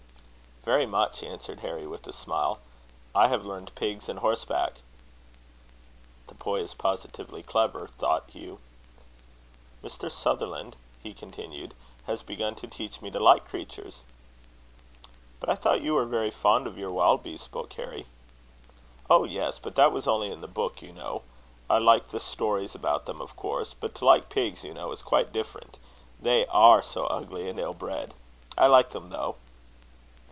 "Very much," answered Harry with a smile. "I have learned pigs and horseback." "The boy is positively clever," thought Hugh. "Mr. Sutherland" he continued, "has begun to teach me to like creatures." "But I thought you were very fond of your wild beast book, Harry." "Oh! yes; but that was only in the book, you know. I like the stories about them, of course. But to like pigs, you know, is quite different. They are so ugly and ill bred. I like them though."